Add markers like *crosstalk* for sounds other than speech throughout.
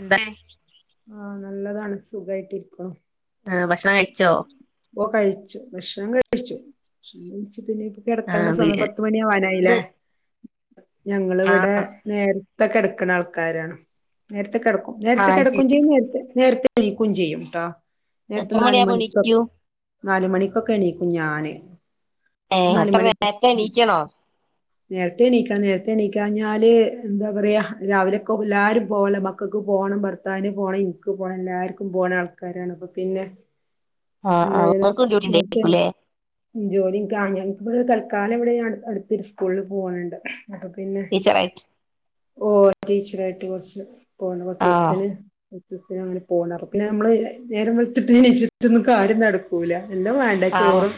എന്തായി ആഹ നല്ലതാണ് സുഖയിട്ടിരിക്ക്ണു. ആ് ഭക്ഷണം കഴിച്ചോ? ഓ കഴിച്ചു ഭക്ഷണം കഴിച്ചു ഭക്ഷണം കഴിച്ചിട്ടില്ലേൽ പിന്നെ ആ കിടക്കണ്ട സമയം പത്തുമണി ഇന്ന് ആവാനായില്ലേ? ഞങ്ങള് ആ വിടെ നേരത്തെ കെടക്കുന്ന ആൾക്കാരാണ്. നേരത്തെ കിടക്കും ആ നേരത്തെ ശരി കിടക്കും ചെയ്യും നേരത്തെ നേരത്തെ നീക്കുകയും ചെയ്യും ട്ടോ. നേരത്തെ എത്ര നാല് മണിയാകുമ്പോ മണിക്കൊ എണീക്കൂ നാല് മണിക്കൊക്കെ എണീക്കും ഞാന്. ഏഹ് നാല് അത്ര മണിക്ക് നേരത്തെ എണീക്കണോ? നേരത്തെ നീക്കണം നേരത്തെ നീക്കഞ്ഞാല് എന്താ പറയാ രാവിലെയൊക്കെ എല്ലാവാരും പോകല, മക്കൾക്ക് പോകണം, ഭ ർത്താവ്ന് പോകണം ഇന്ക്ക് പോകണം എല്ലാവർക്കും പോകണ ആൾക്കാരാണ് അപ്പം പിന്നെ ആഹ ആ എന്തായാലും എല്ലാർക്കും ഡ്യൂട്ടി നേരത്തെ എണീ ഉണ്ടരിക്കുംല്ലേ ജോലി ഇന്ക്ക് *unintelligible* തൽക്കാലം ഇവിടെ അടുത്തൊരു സ്കൂളിൽ പോണ് ണ്ട്. അപ്പൊ പിന്നെ ടീച്ചറായിട്ട് ഓ ടീച്ചറായിട്ട് കുറച്ച് പോണ പത്ത് ആ ദിവസത്തിന് പത്തിസത്തിൻ അങ്ങനെ പോകണ പിന്നെ നമ്മള് നേര വെളുത്തിട്ട് എണീച്ചിട്ടന്നു കാര്യം നടക്കൂല എല്ലാ ആ ചോറും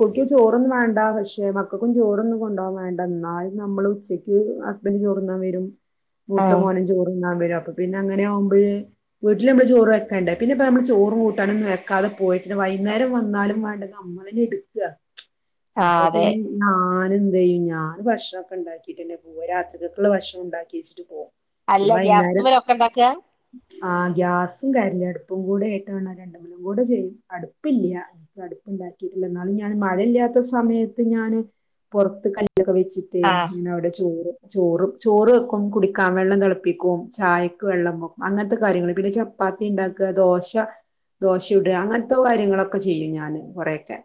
കുട്ടിക്കും ചോറൊന്നും വേണ്ട പക്ഷേ മക്കൾക്കും ചോറൊന്നും കൊണ്ട വേണ്ട എന്നാൽ നമ്മൾ ഉച്ചയ്ക്ക് ഹസ്ബൻഡ് ചോറ്ന്നാൻ വരും ആ മൂത്ത മോനും ചോറ്ന്നാൻ വരും അപ്പ പിന്നെ അങ്ങനെ ആവുമ്പഴേ വീട്ടിൽ നമ്മള് ചോറ്ും വെക്കേണ്ട പിന്നെ ഇപ്പ നമ്മൾ ചോറും കൂട്ടാനും വെക്കാതെ പോയിട്ട് വൈകുന്നേരം വന്നാലും വേണ്ട നമ്മള എടുക്ക ആ അപ്പൊ അതെ പിന്നെ ഞാനഎന്ത് ചെയ്യും ഞ ഞാന് ഭക്ഷണംക്കെ ഉണ്ടാക്കിയിട്ട്ന്നെ പോവ രാത്രികക്കുള്ള ഭക്ഷണം ഉണ്ടാക്കി വച്ചിട്ട് പോവും. അല്ല ഗ്യാസ്മല ഒക്കെ ഉണ്ടാക്ക ആഹ ഗ്യാസും കറൻ്റ് അടുപ്പും കൂടെ ആയിട്ടാണ് രണ്ടുമിലും കൂടെ ചെയ്യും അടുപ്പില്ല. ടുപ്പണ്ടാക്കിട്ടില്ല എന്നാലും ഞാൻ മഴയില്ലാത്ത സമയത്ത് ഞാൻ പുറത്ത് ക ല്ല്ക്കെ വെച്ചിട്ട് ആ ഞാൻ അവിടെ ചോറ് ചോറും ചോറ് വെക്കും കുടിക്കാം വെള്ളം തിളപ്പിക്കും ചായക്ക് വെള്ളം വെക്കും അങ്ങനത്തെ കാര്യങ്ങൾ പിന്നെ ചപ്പാത്തി ഉണ്ടാക്ക ദോശ ദോശ ചുടുക അങ്ങനത്തെ കാര്യങ്ങളൊക്കെ ചെയ്യും ഞാന് കുറെയൊക്കെ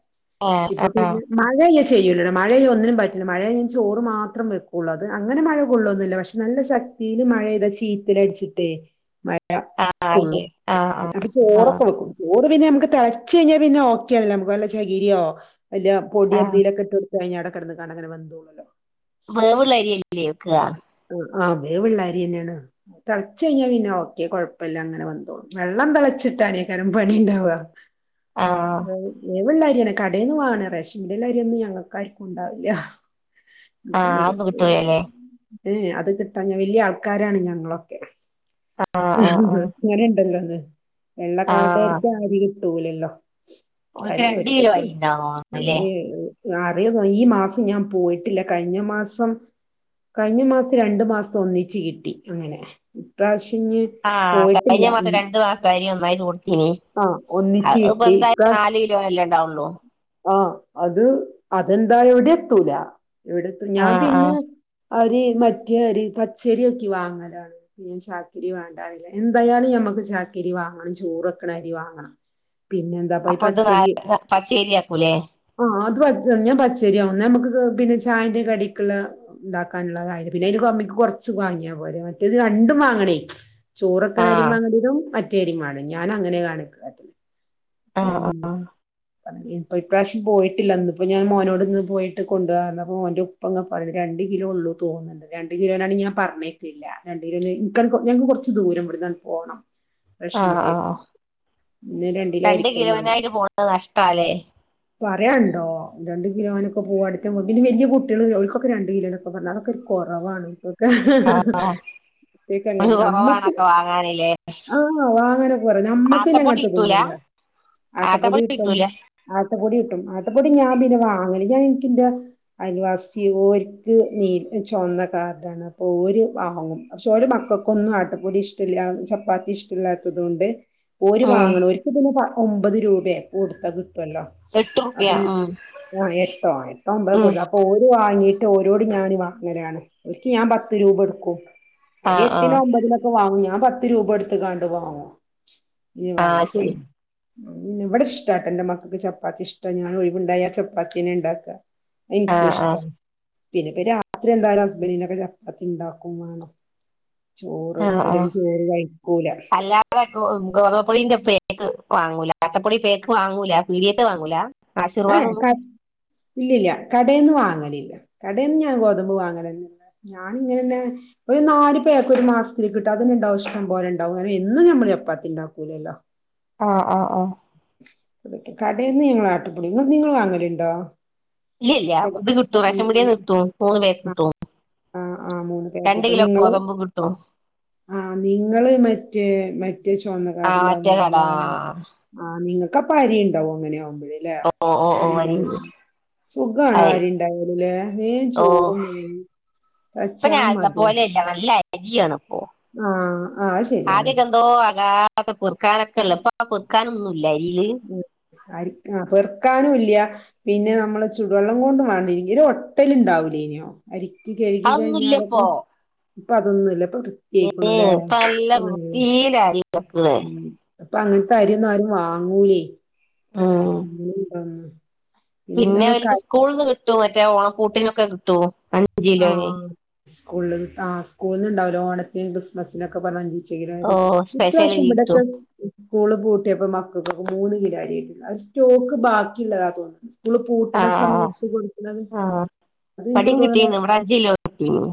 ആ ഇപ്പൊ ആ പിന്നെ മഴ ഞാൻ ചെയ്യൂല മഴ ആയ്യ ഒന്നിനും പറ്റ മഴ ചോറ് മാത്രം വെക്കുള്ളു അത് *unintelligible* അങ്ങനെ മഴ കൊള്ളൂന്നില്ല പക്ഷെ നല്ല ശക്തീൽ മഴ പെയ്താ ചീ ചീറ്റലടിച്ചിട്ടേ *inaudible* അത് ശരി കൊള്ളും ആ ആ അപ്പെ ആ ചോറൊക്കെ വക്കും. ചോറ് പിന്നെ നമുക്ക് തിളച്ച കഴിഞ്ഞാൽ പിന്നെ ഓക്കെല്ലോ നമുക്ക് നല്ല ചകിരിയോ വല്ല ആ പൊടിയ എന്തേലുംക്കെ ഇട്ട് കെ കഴിഞ്ഞ് അട കെടന്ന് കാണ്ട് അങ്ങെന വെന്തോള്ളല്ലോ വേവുള്ള അരിയായിരിക്കുല്ലേ വെക്ക ആ ആ് വേവുള്ളരി തന്നെയാണ് തിളച്ചു കഴിഞ്ഞാൽ പിന്നെ ഓക്കെ കുഴപ്പമില്ല അങ്ങനെ വന്തോളും വെള്ളം തിളച്ചിട്ടാനേക്കാരം പണി ഉണ്ടാവ. ആ *unintelligible* വേവുള്ള അരിയാണ് കടേൽന്ന് വാങ്ങാണ് റേഷൻ പീടില അരിന്നും ഞങ്ങൾക്കാര്ക്കും ഉണ്ടാവില്ല. ആഹ് അതന്നും കിട്ടൂലല്ലേ ഏയ അത് കിട്ടാ ഞാൻ വലിയ ആൾക്കാരാണ് ഞങ്ങളൊക്കെ. ആ ആ ആ ഇങ്ങനിംഇണ്ടല്ലോല്ലേ ആ വെള്ളകാർഡാര്ക്ക് ആ *unintelligible* *unintelligible* ഓൽക്ക് രണ്ട് കിലോ അരി ഉണ്ടാവും അല്ലേ അറിയൂല ഈ മാസം ഞാൻ പോയിട്ടില്ല കഴിഞ്ഞ മാസം. കഴിഞ്ഞ മാസം രണ്ടു മാസം ഒന്നിച്ച് കിട്ടി അങ്ങനെ ഇപ്രാവശ്യം ഇഞ്. ആഹ് കഴിഞ്ഞ മാസം രണ്ടു മാസം അരി ഒന്നായികൊടുത്തീന് ആഹ് ഒന്നിച്ച് അത് ഇപ്പ കിട്ടി എന്തായി ഇപ്രാവശ്യം നാല്. കിലോൻ അല്ലേ ഉണ്ടാവൊള്ളൂ ആഹ് അത് അതെന്താ എവിടെ എത്തൂല ഞാൻ ആഹ് പിന്നെ. ആഹ് അരി മറ്റേ അരി പച്ചരി നോക്കി വാങ്ങലാണ്. ചാക്കിരി വേണ്ടറില്ല എന്തായാലും ഞമ്മക്ക് ചാക്കരി വാങ്ങണം ചോർ വെക്കണരി വാങ്ങണം. പിന്നെന്താ അപ്പൊ അത് പച്ചേരിയാക്കൂലേ. ആഹ് അത് ഞാൻ പച്ചരിയാക്കും ന മ്മക്ക് പിന്നെ ചായന്റെ കടിക്കുള്ള ഇണ്ടാക്കാനുള്ളതായിരുന്നു പിന്നെ അയ്ന് കമ്മിക്ക് കുറച്ച് വാങ്ങിയാ പോരെ മറ്റേത് രണ്ടും വാങ്ങണേ. ചോറൊക്കണരിം ആഹ് വങ്ങണ്ടരും മറ്റേ അരി വാങ്ങും ഞാൻ അങ്ങനെ കാണിക്ക ആഹ് പിന്നെ ആഹ് ഇപ്പൊ ഇപ്രാവശ്യം പോയിട്ടില്ല ഇന്നിപ്പോ ഞാൻ മോനോട് ഇന്ന് പോയിട്ട് കൊണ്ടുവാ അപ്പൊ ഓന്റെ ഉപ്പ പറഞ്ഞത് രണ്ട് കിലോ ഉള്ളൂ തോന്ന്ണ് രണ്ട് കിലോനാണെങ്കിൽ ഞാൻ പറഞ്ഞേക്കില്ല രണ്ട് കിലോ ഞങ്ങക്ക് കുറച്ച് ദൂരം ഇവിടെന്ന് പോകണം. ആഹ് ആഹ് ഇന്ന് കിലോ രണ്ട് ആയിരിക്കുംന്നാണ് കിലോനായിട്ട് പോകുന്നത് നഷ്ട അല്ലേ. പറയണ്ടോ രണ്ട് കിലോനായിട്ട് പോവാന്ന് പറയുമ്പോ പിന്നേ വലിയ കുട്ടികള് ഓൽക്ക് ഒക്കെ രണ്ട് കിലോനൊക്കെ ഒന്നാമത് ഒക്കെ ഒരു കുറവാണ് ഇപ്പൊക്കെ. ആഹ് കുട്ടികൾക്ക് അങ്ങനെ ഒരു നമ്മക്ക് കുറവാണൊക്കെ വാങ്ങാനില്ലേ ആഹ് വാങ്ങാനൊക്കെ കുറവാ നമ്മക്ക് ആട്ടപ്പൊടി കിട്ടൂല അങ്ങനത്തെതൊന്നില്ല. ആട്ടപ്പൊടി കിട്ടും ആട്ടപ്പൊടി കിട്ടും ആട്ടപ്പൊടി ഞാൻ പിന്നേ വാങ്ങൽ ഇല്ല ഞാൻ എനിക്കിന്റെ അൽവാസി ഓൽക്ക് നീ ചുവന്ന കാർഡാണ് അപ്പൊ ഓര് വാങ്ങും. പക്ഷെ ഓലെ മക്കൾക്കൊന്നും ആട്ടപ്പൊടി ഇഷ്ടല്ല ചപ്പാത്തി ഇഷ്ടല്ലാത്തതുകൊണ്ട്. ഓര് ഉം വാങ്ങണം ഓര്ക്ക് പിന്നെ ഒമ്പത് രൂപ കൊടുത്താ കിട്ടുവല്ലോ. എട്ട് റുപ്യ അപ്പൊഞ്ഞ് ഉം ആഹ് എട്ടോ എട്ടോ ഒമ്പതൊ ഉം കൊടുത്ത അപ്പൊ ഓര് വാങ്ങിയിട്ട് ഓരോട് ഞാൻ വാങ്ങലാണ് ഒരിക്ക് ഞാൻ പത്ത് രൂപ കൊടുക്കും. ഇല്ലേ ആഹ് എട്ടിനോ ആഹ് ഒമ്പതിനൊക്കെ വാങ്ങും ഞാൻ പത്ത് രൂപ കൊടുത്ത്കാണ്ട് വാങ്ങും. ആഹ് ശരി *unintelligible* ഇവിടെ ഇഷ് ഇഷ്ടാന്റെ മക്കൾക്ക് ചപ്പാത്തി ഇഷ്ട ഞാൻ ഒഴിവുണ്ടായ ആ ചപ്പാത്തിന്നെ ണ്ടാക്കാ. എനിക്കും ആഹ് ഇഷ്ട ആഹ് പിന്നെപ്പ രാത്രി എന്തായാലും ഹസ്ബന്റ്നൊക്കെ ചപ്പാത്തി ഉണ്ടാക്കും വേണം. ചോറ് അവരൊന്നും ചോറ് കഴിക്കൂല. അത ഗോതമ്പ് പൊടിന്റെ പേക്ക് വാങ്ങൂല അട്ടപ്പൊടി പേക്ക് വാങ്ങൂല പീടിയത്ത് വാങ്ങൂല. ആശീർവാദൊന്നും *unintelligible* ഇല്ല്യല്ല കടേന്ന് വാങ്ങലില്ല കടയിൽന്ന് ഞാൻ ഗോതമ്പ് വാങ്ങലെന്നേ ഇല്ല. ഞാനിങ്ങനെന്നെ ഒരു നാല് പേക്ക് ഒരു മാസത്തിന് കിട്ടും അതെന്നെണ്ടാവും ഇഷ്ടം പോലെണ്ടാവും കാരണം എന്നും ഞമ്മൾ ചപ്പാത്തിണ്ടാക്കൂലല്ലോ. ആഹ് ആഹ് ആഹ്. കടേൽന്ന് ഞങ്ങളാട്ടപ്പൊടി നിങ്ങൾ വാങ്ങലുണ്ടോ ഇല്ല്യല്ല കട ഇത് കിട്ടും ഉം റേഷൻ ഉം പീടിയെന്ന് കിട്ടും മൂന്ന് പേക്ക് ആഹ് കിട്ടും ആഹ് ആഹ് മൂന്ന് പേക്ക് രണ്ട് കിട്ടും കിലോ നിങ്ങള് ഗോതമ്പും കിട്ടും. ആഹ് നിങ്ങള് മറ്റേ മറ്റേ ചുവന്ന ആ മറ്റേ കട കാർഡിലാവുലേ ആഹ് നിങ്ങക്ക് അപ്പ അരി ഉണ്ടാവും അങ്ങനെ ആവുമ്പോഴേ അല്ലേ ഓ ഓ ഓ ഓ, അരി സുഖാണ് അരി അരിണ്ടായാല് ലേ വേം ചോറും വേവും. ഇപ്പയിന് വെച്ചാ ആദ്യത്തെ മതി പോലെല്ല നല്ല അരിയാണ് ഇപ്പോ. ആഹ്. ആഹ് അത് ശരിയാണ് ആദ്യക്കെന്തോ ആകാത്ത പൊർ ക്കാനൊക്കെ ഉള്ള ഇപ്പൊ ആ പൊർക്കാനൊന്നുല്ല അരീല്. ആ പെറുക്കാനും ഇല്ലിയ പിന്നെ നമ്മള് ചൂടുവെള്ളം കൊണ്ട് വേണ്ടി ഇതിന് ഒട്ടൽ ഉണ്ടാവൂലേ അരിക്ക്. കഴുകി അതൊന്നുമില്ല കഴിഞ്ഞാലൊക്കെ ഇപ്പൊ ഇപ്പ അതൊന്നുവില്ല ഇപ്പൊ കി - ഏ കേക്കുണുലേ. ഇപ്പൊ നല്ല വൃത്തിയില അരി വെക്കണേ ഉം ഇപ്പ അങ്ങനത്തെ അരിയോന്നും ആരും വാങ്ങൂലേ ഉം പിന്നെ അവർക്ക് സ്കൂളിന്ന് കിട്ടുവോ മറ്റേ ഓണക്കൂട്ടിനൊക്കെ കിട്ടുവോ അഞ്ച കിലോന്- സ്കൂൾന്ന്കിട്ടും ആഹ് സ്കൂൾ ഉണ്ടാവുല്ലോ ഓണത്തി ക്രിസ്മസിനൊക്കെ പറഞ്ഞ് അഞ്ച് അഞ്ച് കിലോ അരി ഓ സ്പെഷ്യല് ഇപ്രാവിശ്യം ഇവിടത്തെ കിട്ടും സ് സ്കൂള് പൂട്ടിയപ്പോ മക്കക്ക് മൂന്ന് കിലോ അരിയാ കിട്ടിയത് അത് സ്റ്റോക്ക് ബാക്കിള്ളതാ തോന്നുന്നത് സ്കൂള് പൂട്ട്ണ ആഹ് സമയത്ത് കൊട്ക്ക്ണത് ആഹ് അത് എനിക്ക് ഇബടിം തോന്ന്ണ് - കിട്ടീന്ന് അഞ്ച് കിലോ കിട്ടീനോ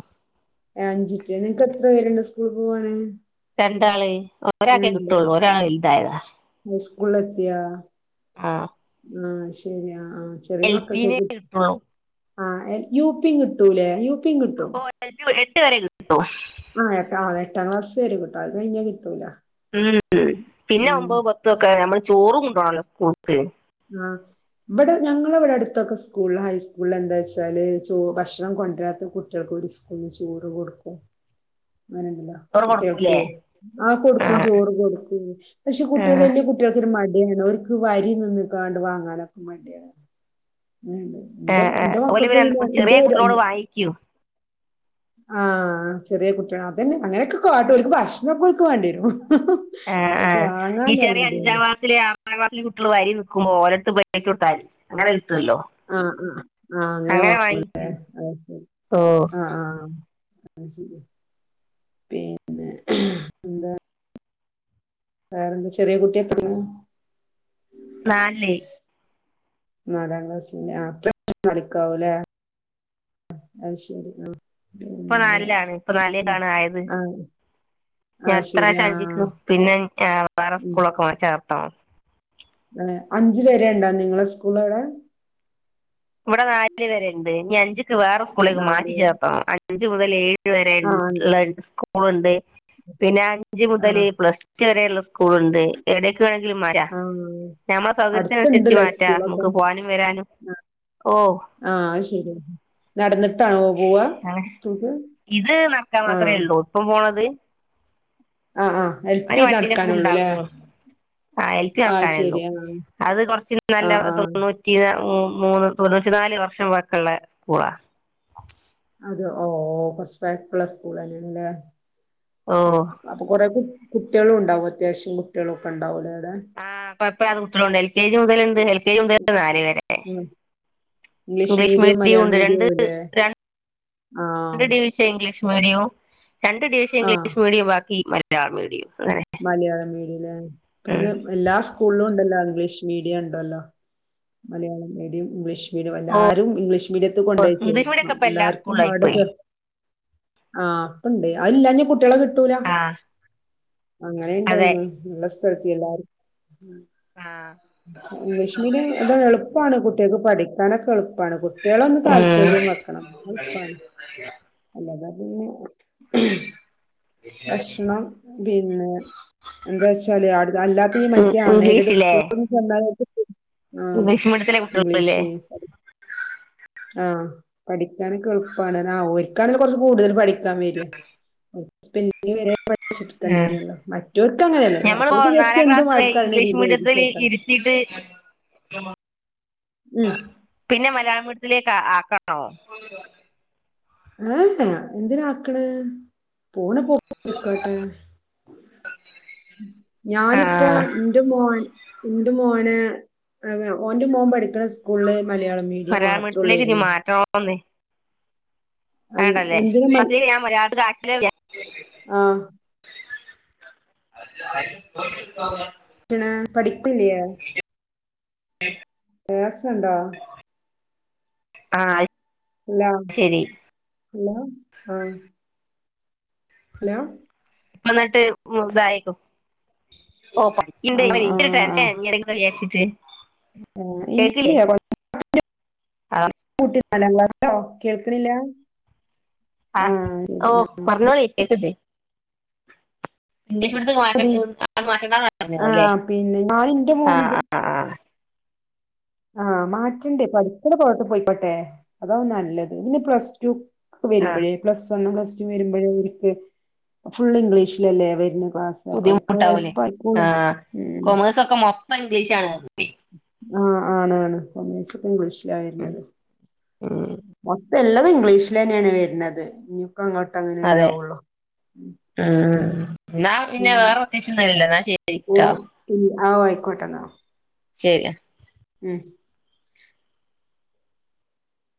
അഞ്ചിക്ക്‌ നിങ്ങക്ക് എത്ര പേരുണ്ട് സ്കൂളിപോവാന് രണ്ടാള് ഒരാക്കെ കിട്ടുള്ളൂ ഒരാള് വൽതായതാ ഹൈ സ്കൂള് എത്തിയാ ആഹ് ആഹ് ശരിയാ ആഹ് ആഹ് ചെറിയ എൽ പി ലേ മക്കൾക്കൊക്കെ കിട്ടൊള്ളു ആഹ് യു പി ഉം കിട്ടൂലേ യു പി ഉം കിട്ടും ഓ എട്ട് വരെ ഏട്ട് വരെ കിട്ടൂ ആഹ് എട്ടാം എട്ടാം ക്ലാസ് വരെ കിട്ടൂ അത് കഴിഞ്ഞ കിട്ടൂല ഉം ഉം പിന്നെ ഉം ഒമ്പത് പത്തൊക്കെ നമ്മള് ചോറും കൊണ്ടോണല്ലോ സ്കൂൾക്ക് ആഹ് ഇവിടെ ഞങ്ങടെ ഇവടെ അടുത്തൊക്കെ സ്കൂളിൽ ഹൈസ്കൂളില് എന്താ വെച്ചാല് ചോ ഭക്ഷണം കൊണ്ടരാത്ത കുട്ടി ട്ടികൾക്ക് ഒര് ദിവസത്തെന് സ്കൂളിന്ന് ചോറ് കൊടുക്കും അങ്ങനെ ഒന്നുമില്ല ചോറ് കുട്ടികൾക്ക് കൊടുക്കൂലേ ആഹ് കൊടുക്കും ചോറ് കൊടുക്കും പക്ഷെ കുട്ടികള് ആഹ് വല്ല്യ കുട്ടി കുട്ടികൾക്ക് ഒരു മടിയാണ് ഓര്ക്ക് വരി നിന്ന്ക്കാണ്ട് വാങ്ങാനൊക്കെ മടിയാണ് അങ്ങനെയുണ്ട് ഏഹ് ആഹ് ഓല് പിന്നെ ചെറിയ കുട്ടികളോട് വാങ്ങിക്കും ആഹ് ചെറിയ കുട്ടിയാണ് അതന്നെ അങ്ങനെയൊക്കെ കാട്ടു ഓല്ക്ക് ഭക്ഷണോക്കെ ഓല്ക്ക് വേണ്ടി വരും ആഹ് ഓൽക്ക് ആഹ് ഈ വാങ്ങാനാ ചെറിയ അഞ്ചാം മടിയാണ് ക്ലാസിലെയാ അഞ്ചാം ക്ലസിലെ കുട്ടികള് വരിന്നിക്കുമ്പോ ഓലട്ത്ത് പ്ലെയ്റ്റ് കൊടുത്താൽ മതി അങ്ങനെ കിട്ടോല്ലോ ആഹ് ആഹ് ആഹ് അങ്ങനെ വാങ്ങും വാങ്ങിക്കും അത് ശരി ഓഹ് ആഹ് ആഹ് ശരി പിന്നെ എന്താ വേറെന്താ ചെറിയ കുട്ടിയാ എത്രയിലാ നാലില് നാലാം ക്ലാസി ഹ് *inaudible* ക്കാവൂലേ അത്ശരി ആഹ് ഇപ്പ നാലിലാണ് ഇപ്പൊ നാലിലേക്ക് ആണ് ആയത് ആ ഇനി ആ അടുത്ത ശരി പ്രാവശ്യം ആ അഞ്ചിക്ക് പിന്നെ വേറെ സ്കൂളൊക്കെ ചേർത്തോണം ഏഹ് അഞ്ചു വരെ ഉണ്ടോ നിങ്ങളെ സ്കൂള് അവിടെ ഇവിടെ നാല് വരെ ഇണ്ട് ഇനി അഞ്ച്ക്ക് വേറെ സ്കൂളിലേക്ക് മാറ്റി നാല് പേര്. ചേർത്തോണം അഞ്ച് മുതൽ ഏഴ് വരെ ആ ഉള്ള സ്കൂള് ഉണ്ട് പിന്നെ അഞ്ച് ആ മുതല് പ്ലസ് ടു വരെയുള്ള സ്കൂള് ഉണ്ട് എവിടേക്ക് വേണെങ്കിലും വരാം ആ ഞമ്മടെ സൗകര്യത്തിന് അനുസരിച്ച് മാറ്റാം നമുക്ക് പോകാനും വരാനും- ആഹ് ഓഹ് ആഹ് ശരി നടന്നിട്ടാണോ പോവാ അങ്ങനെ സ്കൂൾക്ക് ആഹ പ്പം പോണത് ആഹ് ആഹ് അവര് എൽപി വണ്ടിയിലൊക്കെ നടക്കാനൊള്ളൂലേ ഉണ്ടാക്കും ആ എൽ പി നടക്കാനോള്ളൂ അത് കൊറച്ച് ആ നല്ല ആ തൊണ്ണൂ റ്റി മൂന്ന് തൊണ്ണൂറ്റി നാല് വർഷം പഴക്കള്ള സ്കൂളാ അതെ ഓഹ് കൊർച്പയകള്ള സ്കൂള്ന്നെല്ലേ ഓഹ് അപ്പൊ കൊറേ കു കുട്ട്യാ ളുണ്ടാവും അത്യാവശ്യം കുട്ടികളൊ ഒക്കെണ്ടാവൂലേ അവ്ടെ ആഹ് പപ്പ *unintelligible* എൽ കെ ജി മുതലുണ്ട് എൽ കെ ജി മുതല് നാല് വരെ ഉം ഇംഗ്ലീഷ് മീഡിയവും മീഡിയം മലയാളം ഉണ്ട് രണ്ട് മീഡിയവും അല്ലേ രണ്ട് ആഹ് ഡിവി ഇംഗ്ലീഷ് മീഡിയം രണ്ട് ഡിവിഷം ആഹ് ഇംഗ്ലീഷ് മീഡിയം ബാക്കി മലയാളം മീഡിയം അങ്ങനെ മലയാളം മീഡിയം പിന്നെ എല്ലാ സ്കൂളിലും ഉണ്ടല്ലോ ഇംഗ്ലീഷ് മീഡിയം ഉണ്ടല്ലോ മലയാളം മീഡിയം ഇംഗ്ലീഷ് ഓ എല്ലാരും ഇംഗ്ലീഷ് മീഡിയത്ത് ഇംഗ്ലീഷ് മീഡിയം കൊണ്ടച്ചേർക്കണം ഒക്കെ ഇപ്പൊ എല്ലാ എല്ലാവർക്കും അവിടെ സ്കൂളിലായിപ്പോയി ആ ഇപ്പോ ഇണ്ട് അത് ഇല്ലാ കുട്ടികളെ കിട്ടൂല ആഹ് അങ്ങനെണ്ടോന്ന് നല്ല സ്രദ്ധഉണ്ടാകും ആഹ് ഇംഗ്ലീഷ് മീഡിയം അതെളുപ്പമാണ് കുട്ടികൾക്ക് പഠിക്കാനൊക്കെ എളുപ്പമാണ് കുട്ടികളൊന്ന് താല്പര്യം താല്പര്യംവെക്കണം അത് എളുപ്പാണ് അല്ലാതപിന്നെ ഭക്ഷണം പിന്നെ എന്താ വെച്ചാല് അടു അല്ലാത്ത മറ്റ അൺ എയ്ഡഡ് ഇംഗ്ലീഷിലേ സ്കൂള എന്താ ന്തുവെച്ച ആഹ് ഇംഗ്ലീഷ് മീഡിയത്തിലെ കുട്ടികളില്ലേ ഇംഗ്ലീഷ് ആഹ് പഠിക്കാനൊക്കെഎളുപ്പമാണ് ഓൽക്കാണല്ലോ കുറച്ച് കൂടുതൽ പഠിക്കാൻ വരി സ്പെല്ലിങ്‌ വരെ പൈസ ആഹ് കൊടുക്കേണ്ടിവരുല്ലോ മറ്റവർക്ക് അങ്ങനെയല്ല ഞമ്മളിപ്പോ ജി എസ് ടി എന്തും ആൾക്കാരുടെ രീതി എഴുതി ചേർക്ക ഇത് ഉം പിന്നെ മലയാളമീഡിയത്തിലേക്ക് ആക്കാം ട്ടോ ഏഹ് എന്തിനആക്കണ് പോണ പോ പോയ്ക്കട്ടെ ഞാനിപ്പോ ആഹ് ന്റെ എന്റെ മോൻ എന്റെ മോന ഓന്റെ മോൻ പഠിക്കണ സ്കൂളില് മലയാളം മീഡിയം മലയാളം മാത്രം മീഡിയത്തിലേക്ക് ഇനി ഉള്ളായിരുന്നു *unintelligible* വേണ്ടല്ലേ എന്തിനു ഞാൻ മലയാളത്തില് ആഹ് *unintelligible* പിന്നെ പഠിപ്പില്ലയെ *unintelligible* മാത്സുണ്ടോ ആഹ് ഹലോ ശരി ഹലോ ആഹ് ഹലോ ഇ എന്നിട്ട് ഇതായക്കും ഓ ആ ആ *unintelligible* വിചാരിച്ചിട്ടേ ഇല്ല കൊഴ ആഹ് കുട്ടി നാലാം ക്ലാസ്സിലോ കേൾക്കണില്ല ആ ആഹ് ശരി ഓഹ് ആ പറഞ്ഞോളി കേക്ക്ണ്ട് ഇംഗ്ലീഷ് മരന്ന് മാറ്റ മതി *unintelligible* മാറ്റണ്ടാന്ന് ആ പറഞ്ഞ് പിന്നെ ഞാൻ ഇന്റെ ആഹ് മോനിത് ആഹ് ആഹ് ആഹ് മാറ്റണ്ടേ പഠിക്കണ കോലത്ത്ല് പോയിക്കോട്ടെ അതാ നല്ലത് പിന്നെ പ്ലസ് ടു ഒക്കെ ആഹ് വരുമ്പഴേ പ്ലസ് വണ് പ്ലസ് ടു വരുമ്പോഴ അവർക്ക് ഫുൾ ഇംഗ്ലീഷിലല്ലേ വരുന്നെ ക്ലാസ് അവർക്ക് ബുദ്ധിമുട്ടാവൂലേ എളുപ്പ ആയിക്കോളും ഉം ക്കെ മൊത്തം ഇംഗ്ലീഷ് ആണ് ആഹ് ആണ് ആണ് ഒന്ന്ക്ക് ഇപ്പം ഇംഗ്ലീഷ് ഉം ലാവര്ന്നത് ഉം മൊത്തം എല്ലും ഇംഗ്ലീഷിൽ തന്നെയാണ് വരുന്നത് ഇപ്പം അങ്ങോട്ട് അങ്ങനെ അതെ ഉണ്ടാവുള്ളൂ ഉ ഉം ന്നാ പിന്നെ വേറെ പ്രത്യേകിച്ചെന്നും ഇല്ലല്ലോ ഇന്നാ ശരിട്ടോ ആഹ് ആയിക്കോട്ടെന്നാ ശരി ഉം